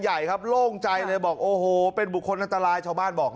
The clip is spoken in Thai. ใหญ่ครับโล่งใจเลยบอกโอ้โหเป็นบุคคลอันตรายชาวบ้านบอก